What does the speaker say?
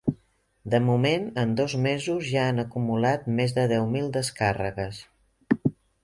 De moment, en dos mesos, ja han acumulat més de deu mil descàrregues.